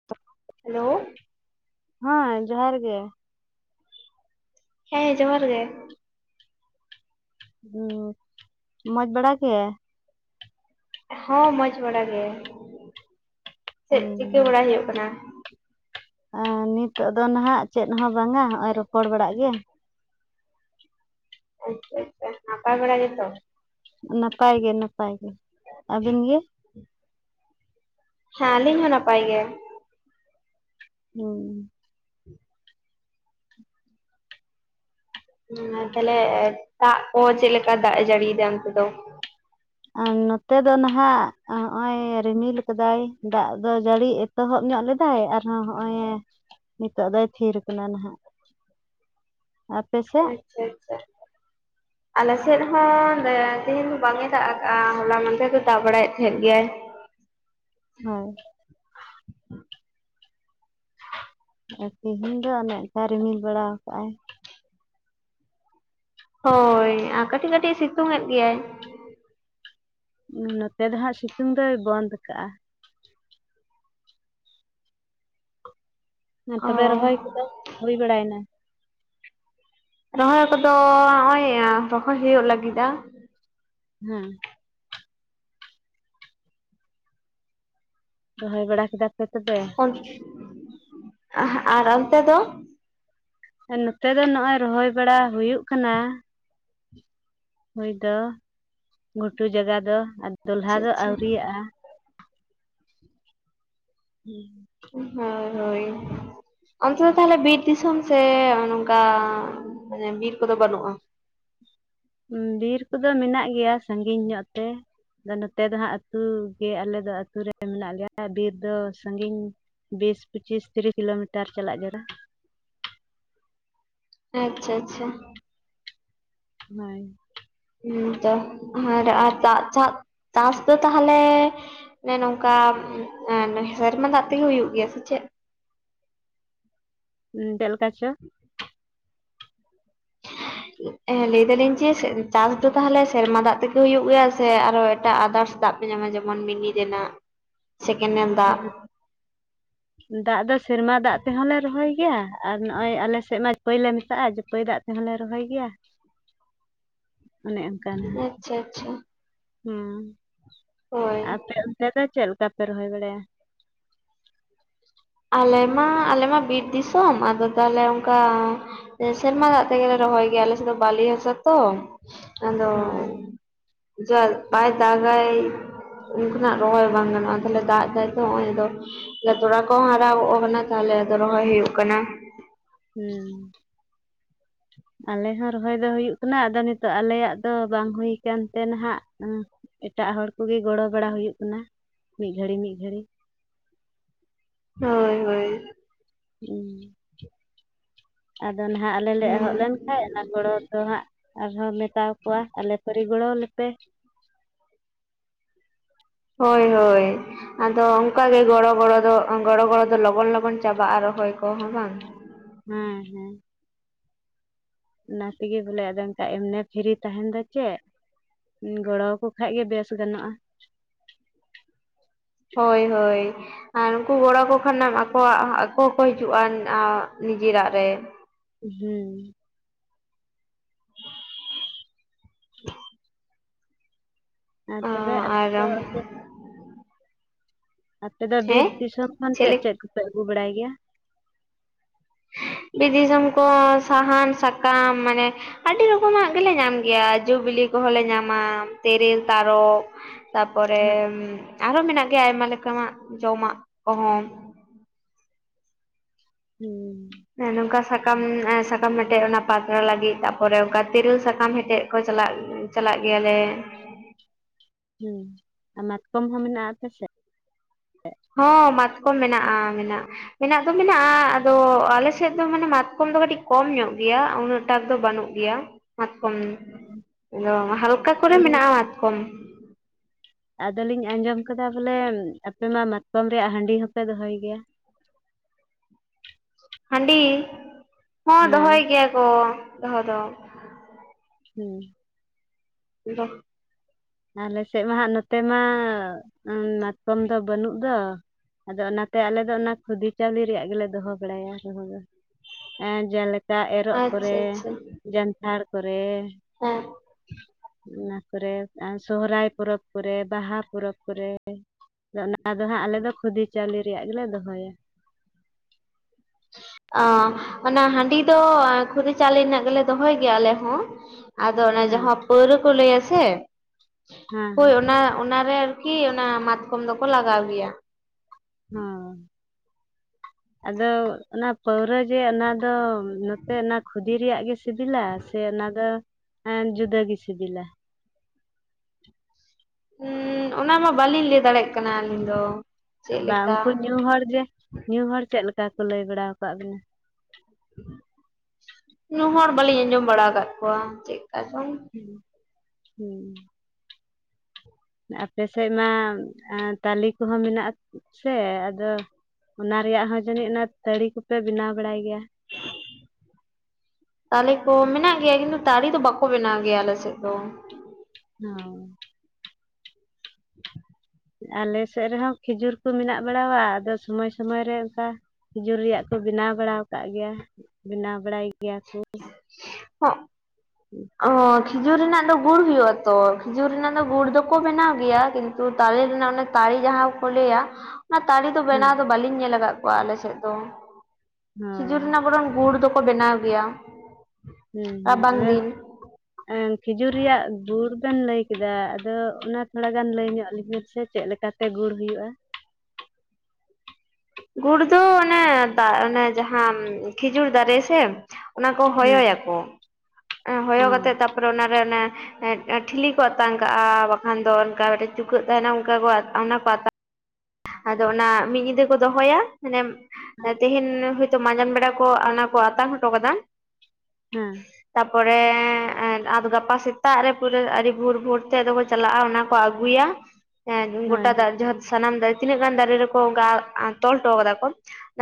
[inaudible] Hello ᱦᱮᱸ ᱡᱚᱦᱟᱨ ᱜᱮᱼᱼ ᱦᱮᱸ ᱡᱚᱦᱟᱨ ᱜᱮ ᱦᱮᱸ ᱢᱚᱡᱽ ᱵᱟᱲᱟ ᱜᱮ? ᱦᱚᱸ ᱢᱚᱸᱡᱽ ᱵᱟᱲᱟ ᱜᱮ ᱪᱮᱫ ᱪᱤᱠᱟᱹ ᱵᱟᱲᱟ ᱦᱩᱭᱩᱜ ᱠᱟᱱᱟ? ᱱᱤᱛᱚᱜ ᱫᱚ ᱱᱟᱦᱟᱜ ᱪᱮᱫ ᱦᱚᱸ ᱵᱟᱝᱟ ᱦᱚᱜᱼᱚᱭ ᱨᱚᱯᱚᱲ ᱵᱟᱲᱟᱜ ᱜᱮᱼᱼ ᱟᱪᱪᱷᱟ ᱟᱪᱪᱷᱟ ᱟᱯᱟᱲ ᱵᱟᱲᱟ ᱜᱮ ᱛᱚ? ᱱᱟᱯᱟᱭ ᱜᱮ ᱱᱟᱯᱟᱭ ᱜᱮ ᱟᱹᱵᱤᱱ ᱜᱮ? ᱦᱮᱸ ᱟᱹᱞᱤᱧ ᱦᱚᱸ ᱱᱟᱯᱟᱭ ᱜᱮ᱾ ᱦᱩ ᱛᱟᱦᱞᱮ ᱫᱟᱜ ᱠᱚ ᱪᱮᱫᱽ ᱞᱮᱠᱟ ᱫᱟᱜᱽ ᱮ ᱡᱟᱹᱲᱤᱭᱟ ᱚᱱᱛᱮ ᱫᱚ? ᱱᱚᱛᱮ ᱫᱚ ᱱᱟᱦᱟᱜ ᱦᱚᱜ ᱚᱭ ᱨᱤᱢᱤᱞ ᱟᱠᱟᱫᱟᱭ ᱫᱟᱜᱽ ᱫᱚ ᱡᱟᱹᱲᱤ ᱭᱮᱟᱼᱼ ᱮᱚᱦᱚᱵ ᱧᱚᱜ ᱞᱮᱫᱟᱭ ᱟᱨᱦᱚᱸ ᱦᱚᱜᱼᱭ ᱱᱤᱛᱚᱜ ᱫᱚᱭ ᱛᱷᱤᱨ ᱟᱠᱟᱱᱟ ᱱᱟᱦᱟᱜ᱾ ᱟᱯᱮᱥᱮᱫ? [unintelligible] ᱟᱞᱮ ᱥᱮᱫ ᱦᱚᱸ ᱛᱮᱦᱮᱧ ᱫᱚ ᱵᱟᱝᱮ ᱫᱟᱜ ᱟᱠᱟᱫᱼᱟ ᱦᱚᱞᱟ ᱢᱟᱦᱫᱮᱨ ᱫᱚᱭ ᱫᱟᱜ ᱵᱟᱲᱟᱭᱮᱫ ᱛᱟᱦᱮᱸᱫ ᱜᱮᱭᱟᱭ᱾ ᱦᱳᱭ ᱟᱨ ᱛᱮᱤᱦᱧ ᱫᱚ ᱚᱱᱠᱟ ᱨᱤᱢᱤᱞ ᱵᱟᱲᱟ ᱟᱠᱟᱟᱜᱼᱟᱭ ᱦᱳᱭ ᱟᱨ ᱠᱟᱹᱴᱤᱡ ᱠᱟᱹᱴᱤᱡ ᱥᱤᱛᱩᱝ ᱮᱫ ᱜᱮᱭᱟᱭ ᱱᱚᱛᱮ ᱫᱚ ᱦᱟᱜ ᱥᱤᱛᱩᱝ ᱫᱚᱭ ᱵᱚᱱᱫ ᱟᱠᱟᱟᱜᱼᱟ ᱮ ᱚ ᱛᱚᱵᱮ ᱨᱚᱦᱚᱭ ᱠᱚᱫᱚ ᱦᱩᱭ ᱵᱟᱲᱟᱭᱮᱱᱟ? ᱨᱚᱦᱚᱭ ᱠᱚᱫᱚ ᱱᱚᱜ ᱚᱚᱭ ᱨᱚᱦᱚᱭ ᱦᱩᱭᱩᱜ ᱞᱟᱹᱜᱤᱫᱼᱟ ᱦᱩᱸ ᱫᱚᱦᱚᱭ ᱵᱟᱲᱟ ᱠᱮᱫᱟ ᱯᱮ ᱛᱚᱵᱮ? ᱚᱱ ᱟᱨ ᱚᱱᱛᱮ ᱫᱚ? ᱱᱚᱛᱮ ᱫᱚ ᱱᱚᱜᱼᱚᱭ ᱨᱚᱦᱚᱭ ᱵᱟᱲᱟ ᱦᱩᱭᱩᱜ ᱠᱟᱱᱟ᱾ ᱦᱩᱭ ᱫᱚ ᱜᱷᱩᱴᱩ ᱡᱟᱭᱜᱟ ᱫᱚ ᱟᱨ ᱫᱚᱞᱦᱟ ᱫᱚ ᱟᱪᱪᱷᱟ ᱟᱹᱣᱨᱤᱭᱟᱜᱼᱟ᱾ [inaudible] ᱦᱮ ᱦᱳᱭ ᱚᱱᱛᱮ ᱫᱚ ᱛᱟᱦᱚᱞᱮ ᱵᱤᱨ ᱫᱤᱥᱚᱢ ᱥᱮ ᱱᱚᱝᱠᱟ ᱢᱟᱱᱮ ᱵᱤᱨ ᱠᱚᱫᱚ ᱵᱟᱹᱱᱩᱜᱼᱟ? ᱵᱤᱨ ᱠᱚᱫᱚ ᱢᱮᱱᱟᱜ ᱜᱮᱭᱟ ᱥᱟᱹᱜᱤᱧ ᱧᱚᱜ ᱛᱮ ᱟᱫᱚ ᱱᱚᱛᱮ ᱫᱚ ᱦᱟᱸᱜ ᱟᱹᱛᱩ ᱜᱮ ᱟᱞᱮ ᱫᱚ ᱟᱹᱛᱩ ᱨᱮ ᱢᱮᱱᱟᱜ ᱞᱮᱭᱟ ᱵᱤᱨ ᱫᱚ ᱥᱟᱹᱜᱤᱧ ᱵᱤᱥ ᱯᱩᱪᱤᱥ ᱛᱤᱨᱤᱥ ᱠᱤᱞᱳᱢᱤᱴᱟᱨ ᱪᱟᱞᱟᱜ ᱡᱟᱨᱟ ᱟᱪᱪᱷᱟ ᱟᱪᱪᱷᱟ [inaudible] [unintelligible] ᱪᱟᱥ ᱫᱚ ᱛᱟᱦᱚᱞᱮᱼᱼ ᱮ ᱱᱚᱝᱠᱟ ᱥᱮᱨᱢᱟ ᱫᱟᱜ ᱛᱮᱜᱮ ᱦᱩᱭᱩᱜ ᱜᱮᱭᱟ ᱥᱮ ᱪᱮᱫ? ᱵᱮᱹᱟᱞᱮᱪᱚ᱾ [inaudible] ᱦᱮᱸ ᱞᱟᱹᱭ ᱫᱟᱞᱤᱧ ᱡᱮ ᱪᱟᱥ ᱫᱚ ᱛᱟᱦᱚᱞᱮ ᱥᱮᱨᱢᱟ ᱫᱟᱜ ᱛᱮᱜᱮ ᱦᱩᱭᱩᱜ ᱜᱮᱭᱟ ᱥᱮ ᱟᱨᱚ ᱮᱴᱟᱜ ᱟᱫᱟᱨᱥ ᱫᱟᱜ ᱯᱮ ᱧᱟᱢᱟ ᱡᱮᱢᱚᱱ ᱢᱤᱱᱤ ᱨᱮᱱᱟᱜ ᱥᱮᱠᱮᱱᱮᱞ ᱫᱟᱜ ᱫᱟᱜ ᱫᱚ ᱥᱮᱨᱢᱟ ᱫᱟᱜ ᱛᱮᱦᱚᱸ ᱞᱮ ᱨᱚᱦᱚᱭ ᱜᱮᱭᱟ ᱟᱨ ᱱᱚᱜᱼ ᱚᱭ ᱟᱞᱮᱥᱮᱫ ᱢᱟ ᱯᱟᱹᱭ ᱞᱮ ᱢᱮᱛᱟᱜᱼᱟ ᱡᱮ ᱯᱟᱹᱭ ᱫᱟᱜ ᱮᱦᱚᱸ ᱞᱮ ᱨᱚᱦᱚᱭ ᱜᱮᱭᱟ᱾ [inaudible] ᱚᱱᱮ ᱚᱱᱠᱟ ᱱᱟᱦᱟᱜ ᱟᱪᱪᱷᱟ ᱟᱪᱪᱷᱟ᱾ ᱦᱮᱸ ᱦᱳᱭ ᱟᱯᱮ ᱚᱱᱛᱮ ᱫᱚ ᱪᱮᱫ ᱞᱮᱠᱟ ᱯᱮ ᱨᱚᱦᱚᱭ ᱵᱟᱲᱟᱭᱟ? ᱟᱞᱮ ᱢᱟ ᱟᱞᱮ ᱢᱟ ᱵᱤᱨ ᱫᱤᱥᱚᱢ ᱟᱫᱚ ᱛᱟᱦᱚᱞᱮ ᱚᱱᱠᱟ ᱮᱸ ᱥᱮᱨᱢᱟ ᱫᱟᱜ ᱛᱮᱜᱮᱞᱮ ᱨᱚᱦᱚᱭ ᱜᱮᱭᱟ ᱟᱞᱮ ᱥᱮᱫ ᱫᱚ ᱵᱟᱞᱤ ᱦᱟᱥᱟ ᱛᱚ ᱟᱫᱚ᱾ ᱦᱳᱭ ᱡᱟᱞᱵᱟᱭ ᱫᱟᱜᱟᱭ᱾ ᱩᱱᱠᱟᱱᱟᱜ ᱨᱚᱦᱚᱭ ᱵᱟᱝ ᱜᱟᱱᱚᱜᱼᱟ ᱛᱟᱦᱞᱮ ᱫᱟᱜ ᱫᱟᱭ ᱛᱚ ᱦᱚᱸᱜᱼᱚᱭ ᱛᱚ ᱞᱮᱛᱚᱲᱟ᱾ ᱠᱚ ᱦᱟᱨᱟ ᱜᱚᱜ ᱠᱟᱱᱟ ᱛᱟᱦᱞᱮ ᱟᱫᱚ ᱨᱚᱦᱚᱭ ᱦᱩᱭᱩᱜ ᱠᱟᱱᱟ᱾ ᱦᱩᱸ ᱟᱞᱮ ᱦᱚᱸ ᱨᱚᱦᱚᱭ ᱫᱚ ᱦᱩᱭᱩᱜ ᱠᱟᱱᱟ ᱟᱫᱚ ᱱᱤᱛᱚᱜ ᱟᱞᱮᱭᱟᱜ ᱫᱚ ᱵᱟᱝ ᱦᱩᱭ ᱠᱟᱱᱛᱮ ᱱᱟᱦᱟᱸᱜ ᱮᱸ ᱮᱴᱟᱜ ᱦᱚᱲ ᱠᱚᱜᱤ ᱜᱚᱲᱚ ᱵᱟᱲᱟ ᱦᱩᱭᱩᱜ ᱠᱟᱱᱟ ᱢᱤᱫ ᱜᱷᱟᱲᱤ ᱢᱤᱫ ᱜᱷᱟᱲᱤ ᱦᱳᱭ ᱦᱳᱭ᱾ ᱦᱩ ᱦᱩᱸ [unintelligible] ᱟᱫᱚ ᱱᱟᱦᱟᱸᱜ ᱟᱞᱮ ᱞᱮ ᱮᱦᱚᱵ ᱞᱮᱱ ᱠᱷᱟᱡ ᱚᱱᱟ ᱜᱚᱲᱚ ᱫᱚ ᱦᱟᱸᱜ ᱟᱨᱦᱚᱸ ᱢᱮᱛᱟᱣ ᱠᱚᱣᱟ ᱟᱞᱮ ᱯᱟᱨᱤ ᱜᱚᱲᱚᱣ ᱞᱮᱯᱮ ᱦᱳᱭ ᱦᱳᱭ᱾ ᱟᱫᱚ ᱚᱱᱠᱟ ᱜᱮ ᱜᱚᱲᱚ ᱜᱚᱲᱚ ᱫᱚ ᱜᱚᱲᱚ ᱜᱚᱲᱚ ᱫᱚ ᱞᱚᱜᱚᱱ ᱞᱚᱜᱚᱱ ᱪᱟᱵᱟᱜᱼᱟ ᱨᱚᱦᱚᱭ ᱠᱚᱦᱚᱸ ᱵᱟᱝ ᱦᱮᱸ ᱦᱮᱸ ᱚᱱᱟ ᱛᱤᱜᱤ ᱵᱚᱞᱮ ᱟᱫᱚ ᱚᱱᱠᱟ ᱮᱢᱱᱮ ᱯᱷᱤᱨᱤ ᱛᱟᱦᱮᱱ ᱫᱚ ᱪᱮᱫ? ᱜᱚᱲᱚᱣ ᱠᱚ ᱠᱷᱟᱡ ᱜᱮ ᱵᱮᱥ ᱜᱟᱱᱚᱜᱼᱟ᱾ ᱦᱳᱭ ᱦᱳᱭ᱾ ᱟᱨ ᱩᱱᱠᱩ ᱜᱚᱲᱚ ᱟᱠᱚ ᱠᱷᱟᱱ ᱟᱠᱚᱣᱟᱜ ᱟᱠᱚ ᱦᱚᱸᱠᱚ ᱦᱤᱡᱩᱜᱼᱟ ᱱᱤᱡᱤᱨᱟᱜ ᱨᱮ ᱦᱩᱸ ᱟᱨ ᱚ ᱛᱚᱵᱮ ᱟᱯᱮ ᱟᱨ ᱫᱚ ᱚᱱᱛᱮ? ᱟᱯᱮ ᱫᱚ ᱵᱤᱨ ᱦᱮᱸ ᱫᱤᱥᱚᱢ ᱠᱷᱚᱱ ᱪᱮᱫ ᱪᱮᱫ ᱠᱚᱯᱮ ᱟᱹᱜᱩ ᱵᱟᱲᱟᱭ ᱜᱮᱭᱟ᱾ ᱵᱤᱫ ᱫᱤᱥᱚᱢ ᱠᱚ ᱥᱟᱦᱟᱱ ᱥᱟᱠᱟᱢ ᱢᱟᱱᱮ ᱟᱰᱤ ᱨᱚᱠᱚᱢᱟᱜ ᱜᱮᱞᱮ ᱧᱟᱢ ᱜᱮᱭᱟ ᱡᱚᱼᱵᱤᱞᱤ ᱠᱚᱦᱚᱸ ᱞᱮ ᱧᱟᱢᱟ ᱛᱮᱹᱨᱮᱹᱞ ᱛᱟᱨᱚᱵ᱾ ᱛᱟᱯᱚᱨᱮ ᱦᱮᱸ ᱟᱨᱚ ᱢᱮᱱᱟᱜ ᱜᱮᱭᱟ ᱟᱭᱢᱟ ᱞᱮᱠᱟᱱᱟᱜ ᱡᱚᱢᱟᱜ ᱠᱚᱦᱚᱸ ᱦᱩᱸ ᱦᱮᱸᱱᱚᱝᱠᱟ ᱥᱟᱠᱟᱢ ᱥᱟᱠᱟᱢ ᱦᱮᱴᱮᱡ ᱚᱱᱟ ᱯᱟᱛᱲᱟ ᱞᱟᱹᱜᱤᱫ ᱛᱟᱯᱚᱨᱮ ᱚᱱᱠᱟ ᱛᱤᱨᱤᱞ ᱥᱟᱠᱟᱢ ᱦᱮᱴᱮᱡ ᱠᱚ ᱪᱟᱞᱟᱜ ᱪᱟᱞᱟᱜ ᱜᱮᱭᱟ ᱞᱮ᱾ ᱦᱩᱸ ᱟᱨ ᱢᱟᱛᱠᱚᱢ ᱦᱚᱸ ᱢᱮᱱᱟᱜᱼᱟ ᱟᱯᱮᱥᱮᱜ? ᱦᱚᱸ ᱢᱟᱛᱠᱚᱢ ᱢᱮᱱᱟᱜᱼᱟ ᱢᱮᱱᱟᱜᱼᱟ᱾ ᱢᱮᱱᱟᱜ ᱫᱚ ᱢᱮᱱᱟᱜᱼᱟ ᱟᱫᱚ ᱟᱞᱮ ᱥᱮᱫ ᱫᱚ ᱢᱟᱱᱮ ᱢᱟᱛᱠᱚᱢ ᱫᱚ ᱠᱟᱹᱴᱤᱡ ᱠᱚᱢ ᱧᱚᱜ ᱜᱮᱭᱟ ᱩᱱᱟᱹᱜ ᱴᱟᱠ ᱫᱚ ᱵᱟᱱᱩᱜ ᱜᱮᱭᱟ ᱢᱟᱛᱠᱚᱢ ᱫᱚ ᱦᱟᱞᱠᱟ ᱠᱚᱨᱮ ᱟᱫᱚᱞᱤᱧ ᱢᱮᱱᱟᱜᱼᱟ ᱢᱟᱛᱠᱚᱢ ᱟᱫᱚᱞᱤᱧ ᱟᱸᱡᱚᱢ ᱠᱟᱫᱟ ᱵᱚᱞᱮ ᱟᱯᱮ ᱢᱟ ᱢᱟᱛᱠᱚᱢ ᱨᱮᱭᱟᱜ ᱦᱟᱺᱰᱤ ᱦᱚᱸᱯᱮ ᱫᱚᱦᱚᱭ ᱜᱮᱭᱟ᱾ ᱦᱟᱺᱰᱤ ᱦᱚᱸ ᱫᱚᱦᱚᱭ ᱦᱮᱸ ᱜᱮᱭᱟ ᱠᱚ ᱫᱚᱦᱚ ᱫᱚ ᱦᱩᱸ᱾ ᱫᱚ ᱟᱞᱮ ᱥᱮᱜ ᱢᱟ ᱦᱟᱸᱜ ᱱᱚᱛᱮ ᱢᱟ ᱢᱟᱛᱠᱚᱢ ᱫᱚ ᱵᱟᱹᱱᱩᱜ ᱫᱚ, ᱟᱫᱚ ᱚᱱᱟᱛᱮ ᱟᱞᱮ ᱫᱚ ᱚᱱᱟ ᱠᱷᱩᱫᱤ ᱪᱟᱣᱞᱤ ᱨᱮᱭᱟᱜ ᱜᱮᱞᱮ ᱫᱚᱦᱚ ᱵᱟᱲᱟᱭᱟ ᱫᱚᱦᱚ ᱫᱚ᱾ ᱮᱸ ᱡᱮᱞᱮᱠᱟ ᱮᱨᱚᱜ ᱠᱚᱨᱮ ᱟᱪᱪᱷᱟ ᱟᱪᱪᱷᱟ ᱡᱟᱱᱛᱷᱟᱲ ᱠᱚᱨᱮ, ᱦᱮᱸ, ᱚᱱᱟ ᱠᱚᱨᱮ ᱥᱚᱦᱨᱟᱭ ᱯᱚᱨᱚᱵᱽ ᱠᱚᱨᱮ ᱵᱟᱦᱟ ᱯᱚᱨᱚᱵᱽ ᱠᱚᱨᱮ᱾ ᱟᱫᱚ ᱚᱱᱟ ᱫᱚ ᱦᱟᱸᱜ ᱟᱞᱮ ᱫᱚ ᱠᱷᱩᱫᱤ ᱪᱟᱣᱞᱮ ᱨᱮᱭᱟᱜ ᱜᱮᱞᱮ ᱫᱚᱦᱚᱭᱟ᱾ ᱚᱱᱟ ᱦᱟᱺᱰᱤ ᱫᱚ ᱠᱷᱩᱫᱤ ᱪᱟᱣᱞᱮ ᱨᱮᱱᱟᱜ ᱜᱮᱞᱮ ᱫᱚᱦᱚᱭ ᱜᱮᱭᱟ ᱟᱞᱮ ᱦᱚᱸ, ᱟᱫᱚ ᱚᱱᱮ ᱦᱮᱸ ᱡᱟᱦᱟᱸ ᱯᱟᱹᱣᱨᱟᱹ ᱠᱚ ᱞᱟᱹᱭᱟ ᱥᱮ, ᱦᱮᱸ ᱦᱳᱭ ᱦᱮᱸ ᱚᱱᱟ ᱚᱱᱟᱨᱮ ᱟᱨᱠᱤ ᱚᱱᱟ ᱢᱟᱛᱠᱚᱢ ᱫᱚᱠᱚ ᱞᱟᱜᱟᱣ ᱜᱮᱭᱟ᱾ ᱦᱚᱸ ᱟᱫᱚ ᱚᱱᱟ ᱯᱟᱹᱣᱨᱟᱹ ᱡᱮ ᱚᱱᱟ ᱫᱚ ᱱᱚᱛᱮ ᱚᱱᱟ ᱠᱷᱚᱫᱤ ᱨᱮᱭᱟᱜ ᱜᱮ ᱥᱤᱵᱤᱞᱟ ᱥᱮ ᱚᱱᱟ ᱫᱚ ᱡᱩᱫᱟᱹ ᱜᱤ ᱥᱤᱵᱤᱞᱟ? ᱦᱩᱸ ᱚᱱᱟ ᱢᱟ ᱵᱟᱞᱤᱧ ᱞᱟᱹᱭ ᱫᱟᱲᱮᱭᱟᱜ ᱠᱟᱱᱟ ᱟᱹᱞᱤᱧ ᱫᱚ᱾ ᱪᱮᱫ ᱵᱟᱝ ᱩᱱᱠᱩ ᱞᱮᱠᱟ ᱧᱩ ᱦᱚᱲ ᱡᱮ ᱧᱩ ᱦᱚᱲ ᱪᱮᱜ ᱞᱮᱠᱟ ᱠᱚ ᱞᱟᱹᱭ ᱵᱟᱲᱟ ᱠᱟᱜ ᱵᱮᱱᱟ? ᱧᱩ ᱦᱚᱲ ᱵᱟᱹᱞᱤᱧ ᱟᱸᱡᱚᱢ ᱵᱟᱲᱟ ᱟᱠᱟᱜ ᱠᱚᱣᱟ ᱪᱮᱫ ᱞᱮᱠᱟ ᱪᱚᱝ᱾ ᱦᱩᱸ, ᱟᱯᱮ ᱥᱮᱜ ᱢᱟ ᱛᱟᱞᱤ ᱠᱚᱦᱚᱸ ᱢᱮᱱᱟᱜᱼᱟ ᱥᱮ ᱟᱫᱚ, ᱚᱱᱟ ᱨᱮᱭᱟᱜ ᱦᱚᱸ ᱡᱟᱹᱱᱤᱡ ᱚᱱᱟ ᱛᱟᱹᱲᱤ ᱠᱚᱯᱮ ᱵᱮᱱᱟᱣ ᱵᱟᱲᱟᱭ ᱜᱮᱭᱟ᱾ [inaudible] ᱛᱟᱞᱮ ᱠᱚ ᱢᱮᱱᱟᱜ ᱜᱮᱭᱟ ᱠᱤᱱᱛᱩ ᱛᱟᱲᱤ ᱫᱚ ᱵᱟᱠᱚ ᱵᱮᱱᱟᱣ ᱜᱮᱭᱟ ᱟᱞᱮ ᱥᱮᱜ ᱫᱚ᱾ ᱦᱚᱸ, ᱟᱞᱮ ᱥᱮᱜ ᱨᱮᱦᱚᱸ ᱠᱷᱤᱡᱩᱨ ᱠᱚ ᱢᱮᱱᱟᱜ ᱵᱟᱲᱟᱣᱟ ᱟᱫᱚ ᱥᱚᱢᱚᱭ ᱥᱚᱢᱚᱭ ᱨᱮ ᱚᱱᱠᱟ, ᱠᱷᱤᱡᱩᱨ ᱨᱮᱭᱟᱜ ᱠᱚ ᱵᱮᱱᱟᱣ ᱵᱟᱲᱟ ᱟᱠᱟᱫᱹᱜ ᱜᱮᱭᱟ ᱵᱮᱱᱟᱣ ᱵᱟᱲᱟᱭ ᱜᱮᱭᱟ ᱠᱚ᱾ ᱦᱳᱸᱠ ᱦᱩᱸ᱾ ᱚᱸ ᱠᱷᱤᱡᱩᱨ ᱨᱮᱱᱟᱜ ᱜᱩᱲ ᱫᱚ ᱦᱩᱭᱩᱜ ᱟ ᱛᱚ ᱠᱷᱤᱡᱩᱨ ᱨᱮᱱᱟᱜ ᱫᱚ ᱜᱩᱲ ᱫᱚᱠᱚ ᱵᱮᱱᱟᱣ ᱜᱮᱭᱟ, ᱛᱚ ᱛᱟᱞᱮ ᱨᱮᱱᱟᱜ ᱚᱱᱟ ᱛᱟᱲᱤ ᱡᱟᱦᱟᱸ ᱠᱚ ᱞᱟᱹᱭᱟ, ᱚᱱᱟ ᱛᱟᱞᱮᱫᱚ ᱦᱮᱸ ᱵᱮᱱᱟᱣ ᱫᱚ ᱵᱟᱟᱹᱞᱤᱧ ᱧᱮᱞ ᱟᱠᱟᱫ ᱠᱚᱣᱟ ᱟᱞᱮ ᱥᱮᱜ ᱫᱚ᱾ ᱠᱷᱤᱡᱩᱨ ᱦᱳᱭ ᱨᱮᱱᱟᱜ ᱵᱚᱨᱚᱱ ᱜᱩᱲ ᱫᱚᱠᱚ ᱵᱮᱱᱟᱣ ᱜᱮᱭᱟ᱾ ᱦᱮᱸ ᱦᱮᱸ ᱨᱟᱵᱟᱝ ᱚᱱᱮ ᱫᱤᱱ ᱮᱸ ᱠᱷᱤᱡᱩᱨ ᱨᱮᱭᱟᱜ ᱫᱩᱨ ᱯᱮᱱ ᱞᱟᱹᱭ ᱠᱮᱫᱟ ᱟᱫᱚ ᱚᱱᱟ ᱛᱷᱚᱲᱟ ᱜᱟᱱ ᱞᱟᱹᱭ ᱧᱚᱜ ᱞᱤᱧᱟᱹ ᱥᱮ ᱪᱮᱫ ᱞᱮᱠᱟᱛᱮ ᱜᱩᱲ ᱦᱩᱭᱩᱜᱼᱟ᱾ ᱜᱩᱲ ᱫᱚ ᱚᱱᱮ ᱫᱟᱜᱽᱱᱚᱱᱮ ᱡᱟᱦᱟᱸ ᱠᱷᱤᱡᱩᱨ ᱫᱟᱨᱮ ᱥᱮ, ᱚᱱᱟ ᱠᱚ ᱦᱮᱸ ᱦᱚᱭᱚᱭᱟᱠᱚ ᱦᱚᱭᱚ ᱦᱚᱸ ᱠᱟᱛᱮᱜ ᱛᱟᱯᱚᱨᱮ ᱚᱱᱟᱨᱮ ᱚᱱᱮ, ᱴᱷᱤᱞᱤ ᱠᱚ ᱟᱛᱟᱝ ᱠᱟᱜᱼᱟ ᱵᱟᱠᱷᱟᱱ ᱫᱚ ᱚᱱᱠᱟ ᱢᱤᱫᱹᱜᱴᱮᱜ ᱪᱩᱠᱟᱹᱜ ᱛᱟᱦᱮᱱᱟ ᱚᱱᱠᱟ ᱠᱚ ᱚᱱᱟ ᱠᱚ, ᱟᱫᱚ ᱚᱱᱟ ᱢᱤᱫ ᱧᱤᱫᱟᱹ ᱠᱚ ᱫᱚᱦᱚᱭᱟ ᱢᱟᱱᱮ ᱛᱮᱦᱮᱧ, ᱟᱫᱚ ᱢᱟᱡᱟᱸᱡᱟᱱ ᱵᱮᱲᱟ ᱠᱚ ᱚᱱᱟ ᱠᱚ ᱟᱛᱟᱝ ᱦᱚᱴᱚ ᱠᱟᱫᱟᱜ᱾ ᱦᱮᱸ, ᱛᱟᱯᱚᱨᱮ ᱟᱫᱚ ᱜᱟᱯᱟ ᱥᱮᱛᱟᱜ ᱨᱮ ᱯᱩᱨᱟᱹ ᱟᱹᱰᱤ ᱵᱷᱳᱨ ᱵᱷᱳᱨ ᱛᱮ ᱫᱚᱠᱚ ᱪᱟᱞᱟᱜᱼᱟ ᱚᱱᱟ᱾ ᱠᱚ ᱟᱜᱩᱭᱟ᱾ ᱦᱮᱸ ᱦᱳᱭ ᱜᱚᱴᱟ ᱫᱟᱜᱽ ᱡᱟᱦᱟᱸ ᱥᱟᱱᱟᱢ ᱫᱟᱨᱮ ᱛᱤᱱᱟᱹᱜ ᱜᱟᱱ ᱫᱟᱨᱮ ᱨᱮᱠᱚ ᱛᱚᱞ ᱦᱚᱴᱚ ᱠᱟᱫᱟ ᱠᱚ,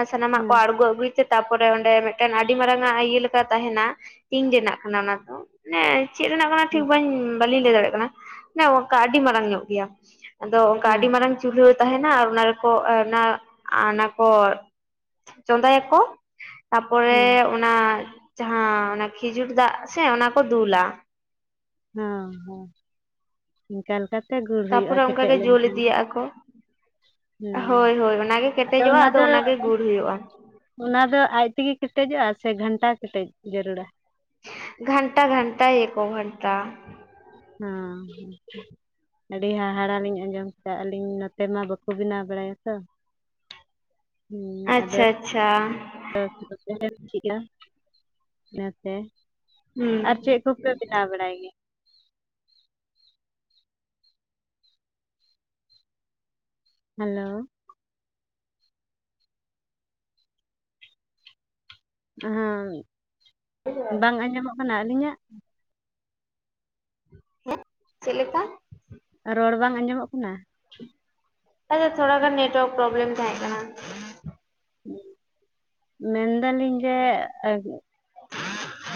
ᱥᱟᱱᱟᱢᱟᱜ ᱠᱚ ᱦᱮᱸ ᱟᱬᱜᱚ ᱟᱹᱜᱩᱭ, ᱛᱟᱯᱚᱨᱮ ᱚᱸᱰᱮ ᱢᱤᱫᱴᱟᱝ ᱟᱹᱰᱤ ᱢᱟᱨᱟᱝ ᱟ ᱤᱭᱟᱹ ᱞᱮᱠᱟ ᱛᱟᱦᱮᱱᱟ ᱴᱤᱝ ᱨᱮᱱᱟᱜ ᱠᱟᱱᱟ ᱚᱱᱟ ᱫᱚ᱾ ᱪᱮᱫ ᱨᱮᱱᱟᱜ ᱠᱟᱱᱟ ᱴᱷᱤᱠ ᱦᱮᱸ ᱵᱟᱹᱞᱤᱧ ᱞᱟᱹᱭ ᱫᱟᱲᱮᱭᱟᱜ ᱠᱟᱱᱟ ᱚᱱᱠᱟ ᱟᱹᱰᱤ ᱢᱟᱨᱟᱝ ᱧᱚᱜ ᱜᱮᱭᱟ᱾ ᱟᱫᱚ ᱚᱱᱠᱟ ᱦᱮᱸ ᱟᱹᱰᱤ ᱢᱟᱨᱟᱝ ᱪᱩᱞᱦᱟᱹ ᱛᱟᱦᱮᱱᱟ ᱟᱨ ᱚᱱᱟ ᱨᱮᱠᱚ ᱚᱱᱟ ᱚᱱᱟ ᱠᱚ, ᱪᱚᱫᱟᱭᱟ ᱠᱚ ᱛᱟᱨᱯᱚᱨ, ᱦᱮᱸ᱾ ᱚᱱᱟ ᱡᱟᱦᱟᱸ ᱚᱱᱟ ᱠᱷᱤᱡᱩᱨ ᱫᱟᱜ ᱥᱮ ᱚᱱᱟ ᱠᱚ ᱫᱩᱞᱟ ᱾ ᱦᱮᱸ ᱦᱮᱸ ᱾ ᱤᱱᱠᱟ ᱞᱮᱠᱟᱛᱮ ᱜᱩᱨ ᱦᱩᱭᱩᱜᱼᱟ ᱛᱟᱯᱚᱨᱮ ᱚᱱᱠᱟ ᱠᱮᱴᱮᱡ ᱜᱮ ᱡᱩᱞ ᱞᱮᱱᱠᱷᱟᱱ ᱤᱫᱤᱭᱟᱜ ᱟᱠᱚ ᱾ ᱦᱮᱸ ᱦᱳᱭ ᱦᱳᱭ ᱚᱱᱟᱜᱮ ᱟᱫᱚ ᱠᱮᱴᱮᱡᱚᱜᱼᱟ ᱚᱱᱟ ᱫᱚ ᱚᱱᱟᱜᱮ ᱜᱩᱲ ᱦᱩᱭᱩᱜᱼᱟ ᱚᱱᱟ ᱫᱚ ᱟᱡ ᱛᱮᱜᱮ ᱠᱮᱴᱮᱡᱚᱜᱼᱟ ᱥᱮ ᱜᱷᱟᱱᱴᱟ ᱠᱮᱴᱮᱡ ᱡᱟᱹᱨᱩᱲᱟ ᱾ ᱜᱷᱚᱱᱴᱟ ᱜᱷᱚᱱᱴᱟ ᱭᱟᱠᱚ ᱜᱷᱚᱱᱴᱟ ᱦᱮᱸ ᱾ ᱟᱹᱰᱤ ᱦᱟᱦᱟᱲᱟ ᱞᱤᱧ ᱟᱸᱡᱚᱢ ᱠᱮᱫᱟ ᱟᱹᱞᱤᱧ ᱱᱚᱛᱮ ᱢᱟ ᱵᱟᱠᱚ ᱵᱮᱱᱟᱣ ᱵᱟᱲᱟᱭᱟ ᱛᱚ ᱾ ᱟᱪᱪᱷᱟ ᱟᱪᱪᱷᱟ ᱾ [unintelligible] ᱚᱱᱟᱛᱮ, ᱟᱨ ᱦᱩᱸ ᱪᱮᱫ ᱠᱚ ᱯᱮ ᱵᱮᱱᱟᱣ ᱵᱟᱲᱟᱭᱜᱮ? ᱦᱮᱞᱳ ᱾ ᱦᱟᱸ, ᱵᱟᱝ ᱟᱸᱡᱚᱢᱚᱜ ᱠᱟᱱᱟ ᱟᱹᱞᱤᱧᱟᱜ? ᱦᱮᱸ, ᱪᱮᱫ ᱞᱮᱠᱟ? ᱨᱚᱲ ᱵᱟᱝ ᱟᱸᱡᱚᱢᱚᱜ ᱠᱟᱱᱟ? ᱟᱪᱪᱷᱟ ᱛᱷᱚᱲᱟ ᱜᱟᱱ ᱱᱮᱴᱣᱟᱹᱨᱠ ᱯᱨᱚᱵᱽᱞᱮᱢ ᱛᱟᱦᱮᱸᱜ ᱠᱟᱱᱟ ᱾ ᱢᱮᱱᱫᱟᱞᱤᱧ ᱡᱮ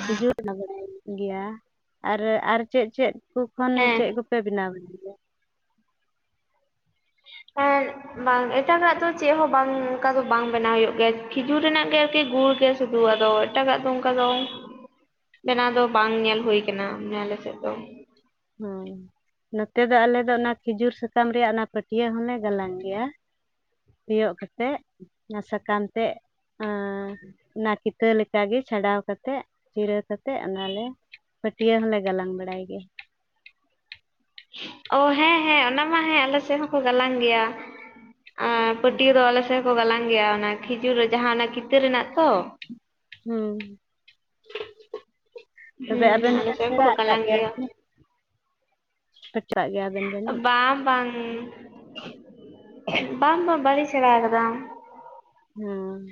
ᱠᱷᱤᱡᱩᱨ [unintelligible] ᱜᱮᱭᱟ, ᱟᱨ ᱟᱨ ᱪᱮᱫ ᱪᱮᱫ? ᱦᱟᱹᱠᱩ ᱠᱷᱚᱱ ᱦᱮᱸ ᱪᱮᱫ ᱠᱚᱯᱮ ᱵᱮᱱᱟᱣ ᱵᱟᱲᱟᱭ ᱜᱮᱭᱟ? ᱟᱨ ᱵᱟᱝ ᱮᱴᱟᱜᱟᱜ ᱫᱚ ᱪᱮᱫ ᱦᱚᱸ ᱵᱟᱝ ᱚᱱᱠᱟ ᱫᱚ ᱵᱟᱝ ᱵᱮᱱᱟᱣ ᱦᱩᱭᱩᱜ ᱜᱮᱭᱟ ᱠᱷᱤᱡᱩᱨ ᱨᱮᱱᱟᱜ ᱜᱮ ᱟᱨᱠᱤ ᱜᱩᱲ ᱜᱮ ᱥᱩᱫᱷᱩ ᱟᱫᱚ ᱮᱴᱟᱜᱟᱜ ᱫᱚ ᱚᱱᱠᱟ ᱫᱚ ᱵᱮᱱᱟᱣ ᱫᱚ ᱵᱟᱝ ᱧᱮᱞ ᱦᱩᱭ ᱟᱠᱟᱱᱟ ᱟᱞᱮ ᱥᱮᱫ ᱫᱚ ᱾ ᱦᱩᱸ ᱾ ᱱᱚᱛᱮ ᱫᱚ ᱟᱞᱮ ᱫᱚ ᱚᱱᱟ ᱠᱷᱤᱡᱩᱨ ᱥᱟᱠᱟᱢ ᱨᱮᱭᱟᱜ ᱚᱱᱟ ᱯᱟᱹᱴᱭᱟᱹᱜ ᱦᱚᱞᱮ ᱜᱟᱞᱟᱝ ᱜᱮᱭᱟ, ᱛᱤᱭᱳᱜ ᱠᱟᱛᱮ ᱚᱱᱟ ᱥᱟᱠᱟᱢ ᱛᱮ ᱟᱸ ᱱᱟᱠᱤ ᱛᱟᱹ ᱞᱮᱠᱟ ᱜᱮ ᱪᱷᱟᱰᱟᱣ ᱠᱟᱛᱮᱜ ᱪᱤᱨᱟᱹ ᱠᱟᱛᱮᱜ ᱚᱱᱟᱞᱮ ᱯᱟᱹᱴᱭᱟᱹ ᱦᱚᱞᱮ ᱜᱟᱞᱟᱝ ᱵᱟᱲᱟᱭ ᱜᱮᱭᱟ ᱾ ᱚ ᱦᱮᱸ ᱦᱮᱸ ᱚᱱᱟ ᱢᱟ ᱦᱮᱸ ᱟᱞᱮ ᱥᱮᱜ ᱦᱚᱸᱠᱚ ᱜᱟᱞᱟᱝ ᱜᱮᱭᱟ ᱾ ᱟᱨ ᱯᱟᱹᱴᱤᱭᱟᱹ ᱫᱚ ᱟᱞᱮ ᱥᱮᱜ ᱠᱚ ᱜᱟᱞᱟᱝ ᱜᱮᱭᱟ ᱚᱱᱟ ᱠᱷᱤᱡᱩᱨ ᱡᱟᱦᱟ ᱚᱱᱟ ᱠᱤᱛᱟᱹ ᱨᱮᱱᱟᱜ ᱛᱚ ᱾ ᱦᱩᱸ ᱾ ᱛᱚᱵᱮ ᱦᱩᱸ ᱟᱵᱮᱱ ᱟᱞᱮ ᱦᱚᱵᱮᱱ ᱥᱮᱫ ᱥᱮᱬᱟ ᱦᱚᱸᱠᱚ ᱠᱟᱜ ᱜᱟᱞᱟᱝ ᱜᱮᱭᱟ ᱥᱮ? [unintelligible] ᱜᱮᱭᱟᱵᱮᱱ ᱡᱟᱹᱱᱤᱡ ᱵᱟᱝ ᱵᱟᱝ ᱵᱟᱝ ᱵᱟᱝ ᱵᱟᱞᱤᱧ ᱥᱮᱬᱟ ᱟᱠᱟᱫᱟ ᱾ ᱦᱢ,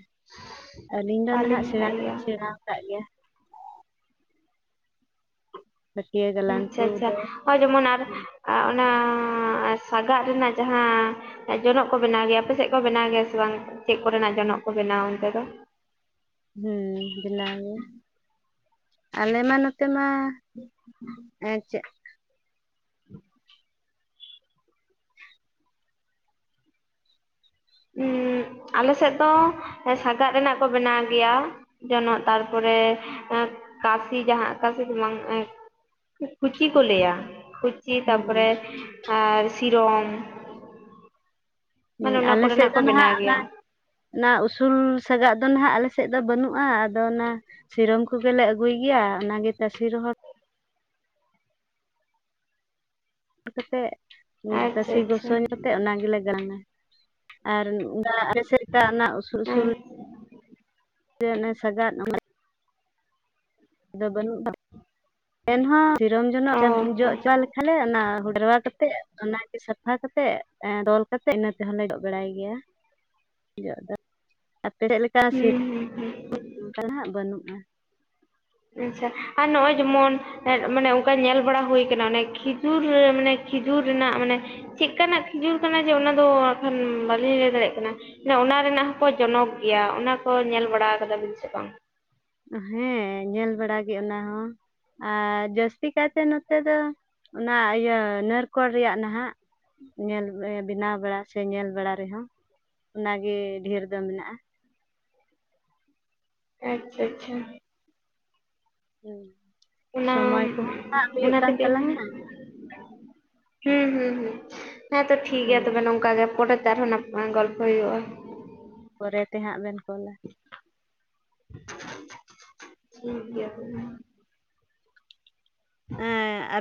ᱟᱹᱞᱤᱧ ᱫᱚ ᱱᱟᱦᱟᱜ ᱵᱟᱹᱞᱤᱧ ᱥᱮᱬᱟ ᱵᱟᱲᱟᱭ ᱜᱮᱭᱟ ᱫᱚᱞᱤᱧ ᱥᱮᱬᱟ ᱠᱟᱜ ᱜᱮᱭᱟ ᱾ ᱯᱟᱹᱴᱭᱟᱹ ᱜᱟᱞᱟᱝ ᱟᱪᱪᱷᱟ ᱟᱪᱪᱷᱟ, ᱠᱚᱫᱚ ᱦᱳᱭ ᱡᱮᱢᱚᱱ ᱟᱨ ᱚᱱᱟ ᱥᱟᱜᱟᱜ ᱨᱮᱱᱟᱜ ᱡᱟᱦᱟᱸ ᱡᱚᱱᱚᱜ ᱠᱚ ᱵᱮᱱᱟᱣ ᱜᱮᱭᱟ, ᱟᱯᱮ ᱥᱮᱫ ᱠᱚ ᱵᱮᱱᱟᱣ ᱜᱮᱭᱟ ᱥᱮ ᱵᱟᱝ? ᱪᱮᱫ ᱠᱚᱨᱮᱱᱟᱜ ᱡᱚᱱᱚᱜ ᱠᱚ ᱵᱮᱱᱟᱣᱟ ᱚᱱᱛᱮ ᱫᱚ? ᱦᱩᱸ ᱵᱮᱱᱟᱣ ᱜᱮ ᱾ ᱟᱞᱮ ᱢᱟ ᱱᱚᱛᱮ ᱢᱟ ᱩᱸ ᱟᱞᱮᱥᱮᱫ ᱫᱚ ᱥᱟᱜᱟᱜ ᱨᱮᱱᱟᱜ ᱠᱚ ᱵᱮᱱᱟᱣ ᱜᱮᱭᱟ, ᱡᱚᱱᱚᱜ ᱛᱟᱨᱯᱚᱨᱮ ᱠᱟᱹᱥᱤ ᱡᱟᱦᱟᱸ ᱠᱟᱹᱥᱤ ᱫᱚ ᱵᱟᱝ ᱠᱩᱪᱤ ᱠᱚ ᱞᱟᱹᱭᱟ, ᱠᱩᱪᱤ ᱦᱮᱸ ᱛᱟᱯᱚᱨᱮ ᱟᱨ ᱥᱤᱨᱚᱢ ᱢᱟᱱᱮ ᱦᱢ, ᱚᱱᱟ ᱟᱞᱮ ᱥᱮᱫ ᱠᱚᱨᱮᱱᱟᱜ ᱠᱚ ᱫᱚ ᱱᱟᱦᱟᱜ ᱵᱮᱱᱟᱣ ᱚᱱᱟ ᱜᱮᱭᱟ ᱚᱱᱟ ᱩᱥᱩᱞ ᱥᱟᱜᱟᱜ ᱫᱚ ᱱᱟᱦᱟᱜ ᱟᱞᱮᱥᱮᱫ ᱫᱚ ᱵᱟᱹᱱᱩᱜᱼᱟ ᱟᱫᱚ ᱚᱱᱟ ᱥᱤᱨᱚᱢ ᱠᱚᱜᱮ ᱞᱮ ᱟᱹᱜᱩᱭ ᱜᱮᱭᱟ ᱚᱱᱟᱜᱮ ᱛᱟᱥᱮ ᱨᱮᱦᱚᱲ ᱠᱟᱛᱮᱜ ᱟᱪᱪᱷᱟ ᱛᱟᱥᱮ ᱟᱪᱪᱷᱟ ᱜᱚᱥᱚ ᱧᱚᱜ ᱠᱟᱛᱮᱫ ᱚᱱᱟ ᱜᱮᱞᱮ ᱜᱟᱞᱟᱝ-ᱟ, ᱟᱨ ᱫᱟᱜ ᱨᱮᱥᱮ ᱫᱟᱜ ᱚᱱᱟ ᱩᱥᱩᱞ ᱦᱮᱸ ᱩᱥᱩᱞ ᱥᱮ ᱚᱱᱮ ᱥᱟᱜᱟᱫ ᱟᱫᱚ ᱵᱟᱹᱱᱩᱜ-ᱟ, ᱮᱱᱦᱚᱸ ᱥᱤᱨᱚᱢ ᱡᱚᱱᱚᱜ ᱚ [unintelligible] ᱡᱚᱜ ᱦᱚᱸ ᱪᱟᱞ ᱛᱟᱦᱚᱞᱮ ᱚᱱᱟ ᱦᱩᱰᱨᱟ ᱠᱟᱛᱮᱜ ᱚᱱᱟ ᱜᱮ ᱥᱟᱯᱷᱟ ᱠᱟᱛᱮᱜ ᱛᱚᱞ ᱠᱟᱛᱮᱜ ᱤᱱᱟᱹ ᱛᱮᱦᱚ ᱞᱮ ᱡᱚᱜ ᱵᱟᱲᱟᱭ ᱜᱮᱭᱟ ᱡᱚᱜ ᱫᱚ ᱟᱯᱲᱮᱜ ᱞᱮᱠᱟ ᱦᱩᱸ ᱦᱩᱸ ᱦᱩᱸ [unintelligible] ᱵᱟᱹᱱᱩᱜ-ᱟ ᱾ ᱟᱪᱪᱷᱟ, ᱟᱨ ᱱᱚᱜᱼᱚᱭ ᱡᱮᱢᱚᱱ ᱮᱫ ᱢᱟᱱᱮ ᱚᱱᱠᱟ ᱧᱮᱞ ᱵᱟᱲᱟ ᱦᱩᱭ ᱠᱟᱱᱟ ᱚᱱᱮ ᱠᱷᱤᱡᱩᱨ ᱢᱟᱱᱮ ᱠᱷᱤᱡᱩᱨ ᱨᱮᱱᱟᱜ ᱢᱟᱱᱮ ᱪᱮᱜ ᱠᱟᱱᱟᱜ ᱠᱷᱤᱡᱩᱨ ᱠᱟᱱᱟ ᱡᱮ ᱚᱱᱟ ᱫᱚ ᱟᱠᱷᱟᱱ ᱵᱟᱹᱞᱤᱧ ᱞᱟᱹᱭ ᱫᱟᱲᱮᱭᱟᱜ ᱠᱟᱱᱟ ᱾ ᱮ ᱚᱱᱟ ᱨᱮᱱᱟᱜ ᱦᱚᱸᱠᱚ ᱡᱚᱱᱚᱠ ᱜᱮᱭᱟ ᱚᱱᱟ ᱠᱚ ᱧᱮᱞ ᱵᱟᱲᱟᱣ ᱠᱟᱫᱟ ᱵᱤᱱ ᱥᱮ ᱵᱟᱝ? ᱦᱮᱸ ᱧᱮᱞ ᱵᱟᱲᱟ ᱜᱮ ᱚᱱᱟ ᱦᱚᱸ ᱾ ᱟᱨ ᱡᱟᱹᱥᱛᱤ ᱠᱟᱭᱛᱮ ᱱᱚᱛᱮ ᱫᱚ, ᱚᱱᱟ ᱤᱭᱟᱹ ᱱᱟᱨᱠᱳᱚᱞ ᱨᱮᱭᱟᱜ ᱱᱟᱦᱟᱜ ᱾ ᱧᱮᱞ ᱵᱮᱱᱟᱣ ᱵᱟᱲᱟ ᱥᱮ ᱧᱮᱞ ᱵᱟᱲᱟ ᱨᱮᱦᱚᱸ ᱚᱱᱟᱜᱮ ᱰᱷᱮᱨ ᱫᱚ ᱢᱮᱱᱟᱜᱼᱟ ᱾ ᱟᱪᱪᱷᱟ ᱟᱪᱪᱷᱟ ᱾ ᱦᱳᱭ ᱾ ᱚᱱᱟ, ᱚᱱᱟ ᱛᱮᱜᱮ ᱦᱩᱸ ᱛᱟᱞᱟᱝᱟ ᱦᱩᱸ ᱦᱩᱸ, ᱦᱮᱛᱚ ᱴᱷᱤᱠ ᱜᱮᱭᱟ ᱦᱩᱸ ᱛᱚᱵᱮ ᱱᱚᱝᱠᱟ ᱜᱮ ᱯᱚᱨᱮᱛᱮ ᱟᱨᱦᱚᱸ ᱱᱟ ᱜᱚᱞᱯᱷᱚ ᱦᱩᱭᱩᱜᱼᱟ ᱾ ᱯᱚᱨᱮ ᱛᱮ ᱦᱟᱸᱜ ᱵᱮᱱ ᱠᱚᱞᱟ ᱾ [inaudible] ᱴᱷᱤᱠ ᱜᱮᱭᱟ ᱛᱚᱵᱮ ᱾ [inaudible] ᱦᱮᱸ